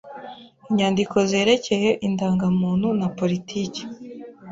Inyandiko zerekeye Indangamuntu naPolitiki